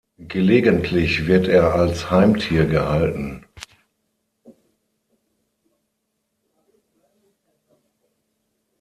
Gelegentlich wird er als Heimtier gehalten.